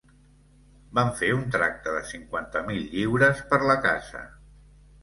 Vam fer un tracte de cinquanta mil lliures per la casa.